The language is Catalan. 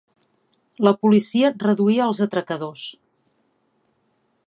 La policia reduí els atracadors.